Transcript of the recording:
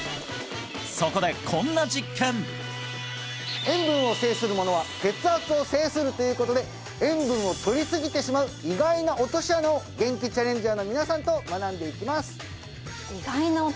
そこでこんな実験塩分を制するものは血圧を制するということで塩分を摂りすぎてしまう意外な落とし穴をゲンキチャレンジャーの皆さんと学んでいきます